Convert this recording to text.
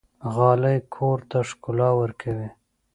غالۍ کور ته ښکلا ورکوي.